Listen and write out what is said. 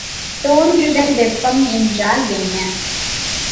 தோன்றுதல் வெப்பம் என்றால் என்ன?